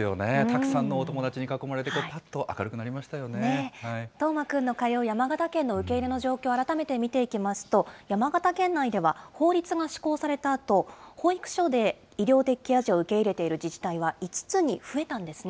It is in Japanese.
たくさんのお友達に囲まれて、ぱ叶真くんの通う山形県の受け入れの状況を改めて見ていきますと、山形県内では法律が施行されたあと、保育所で医療的ケア児を受け入れている自治体は５つに増えたんですね。